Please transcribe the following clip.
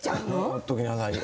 ほっときなさいよ。